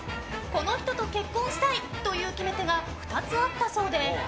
この人と結婚したいという決め手が２つあったそうで。